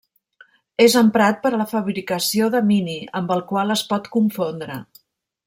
És emprat per a la fabricació de mini, amb el qual es pot confondre.